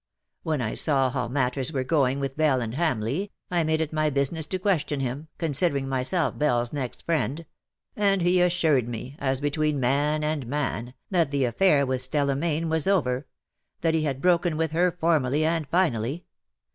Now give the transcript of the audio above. When I saw how matters were going with Belie and Hamleigh, I made it my business to question him, considering myself Beliefs next friend; and he assured me, as between man and man, that the aSair with Stella Mayne was over — that he had broken with her formally and finally.